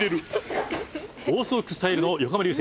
「オーソドックススタイルの横浜流星。